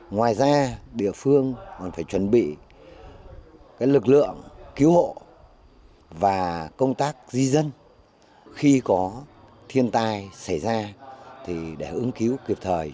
ngoài ra địa phương còn phải chuẩn bị lực lượng cứu hộ và công tác di dân khi có thiên tai xảy ra để ứng cứu kịp thời